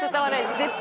絶対。